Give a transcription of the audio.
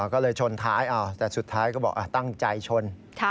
ก็เลยชนท้ายแต่สุดท้ายก็บอกตั้งใจชน